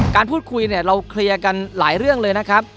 การพูดคุยเนี่ยเราเคลียร์กันหลายเรื่องเลยนะครับ